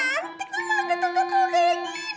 antik tolong ketuk ketuk begin